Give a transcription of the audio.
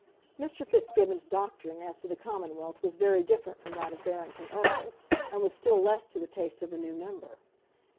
Mr. Fitzgibbon's doctrine as to the commonwealth was very different from that of Barrington Erle, and was still less to the taste of the new member.